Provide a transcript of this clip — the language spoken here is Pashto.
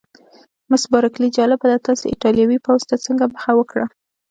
مس بارکلي: جالبه ده، تاسي ایټالوي پوځ ته څنګه مخه وکړه؟